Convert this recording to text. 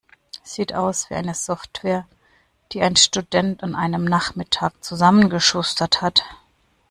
Sieht aus wie eine Software, die ein Student an einem Nachmittag zusammengeschustert hat.